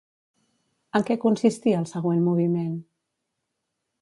En què consistia el següent moviment?